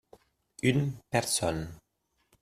Une personne.